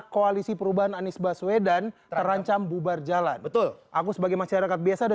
koalisi perubahan anies baswedan terancam bubar jalan betul aku sebagai masyarakat biasa